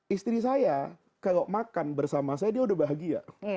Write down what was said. istri saya kalau makan bersama saya dia udah bahagia